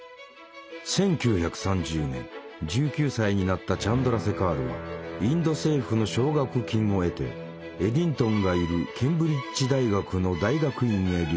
１９歳になったチャンドラセカールはインド政府の奨学金を得てエディントンがいるケンブリッジ大学の大学院へ留学する。